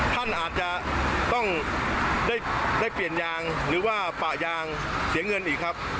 ท่านอาจจะต้องได้เปลี่ยนยางหรือว่าปะยางเสียเงินอีกครับ